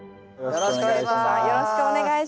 よろしくお願いします。